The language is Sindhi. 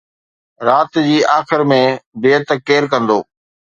رات جي آخر ۾ بيعت ڪير ڪندو؟